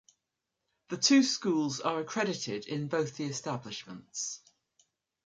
The two schools are accredited in both the establishments.